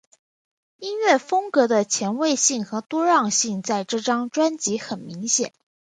音乐风格的前卫性和多样性在这张专辑很明显。